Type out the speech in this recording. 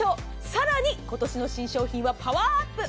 さらに今年の新商品はパワーアップ。